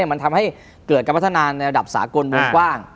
มันทำให้เกิดการพัฒนาในระดับสากลวงกว้าง